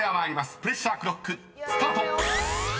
プレッシャークロックスタート！］